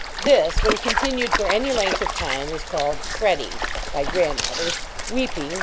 This, when continued for any length of time, is called "fretting," by grandmothers; " weeping."